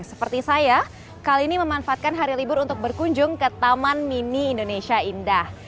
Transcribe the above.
seperti saya kali ini memanfaatkan hari libur untuk berkunjung ke taman mini indonesia indah